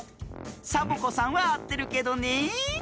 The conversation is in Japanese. サボ子さんはあってるけどねえ。